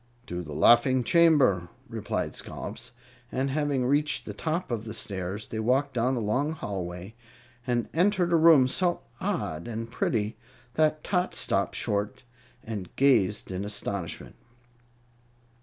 "To the laughing chamber," replied Scollops; and having reached the top of the stairs, they walked down a long hallway and entered a room so odd and pretty that Tot stopped short and gazed at it in astonishment.